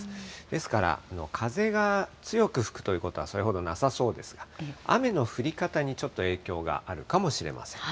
ですから、風が強く吹くということはそれほどなさそうですが、雨の降り方にちょっと影響があるかもしれません。